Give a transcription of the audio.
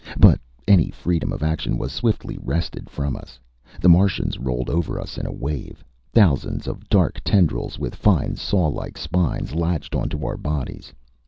But any freedom of action was swiftly wrested from us. The Martians rolled over us in a wave. Thousands of dark tendrils with fine, sawlike spines latched onto our bodies.